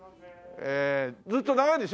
ずっと長いでしょ？